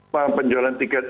soal penjualan tiket